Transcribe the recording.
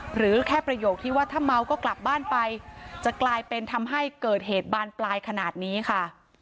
หรือแค่ประโยคที่ว่าถ้าเมาก็กลับบ้านไปจะกลายเป็นทำให้เกิดเหตุบานปลายขนาดนี้ค่ะ